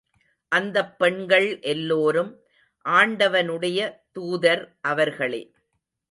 அந்தப் பெண்கள் எல்லோரும், ஆண்டவனுடைய தூதர் அவர்களே!